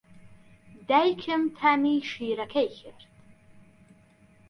دایکم تامی شیرەکەی کرد.